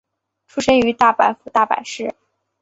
出身于大阪府大阪市。